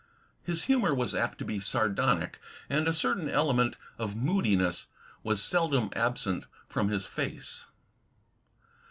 His humor was apt to be sardonic; and a certain element of moodiness was seldom absent from his face.